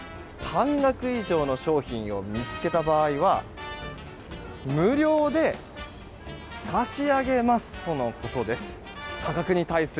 半額以上の商品を見つけた場合は無料で差し上げますとのことです。